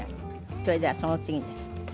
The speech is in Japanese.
それではその次です。